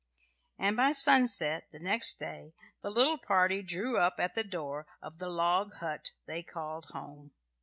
And by sunset next day the little party drew up at the door of the log hut they called home.